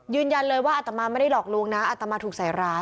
ยืนยันเลยว่าอัตมาไม่ได้หลอกลวงนะอัตมาถูกใส่ร้าย